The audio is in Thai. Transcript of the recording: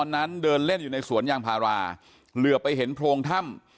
แล้วท่านผู้ชมครับบอกว่าตามความเชื่อขายใต้ตัวนะครับ